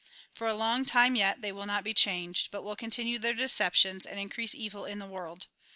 For a long time yet they will not be changed, but will continue their deceptions, and increase evil in the world.